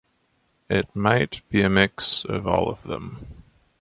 It might be a mix of all of them.